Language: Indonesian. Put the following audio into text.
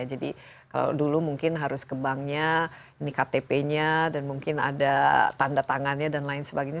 jadi kalau dulu mungkin harus ke banknya ini ktp nya dan mungkin ada tanda tangannya dan lain sebagainya